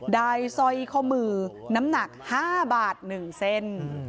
สร้อยข้อมือน้ำหนัก๕บาท๑เส้น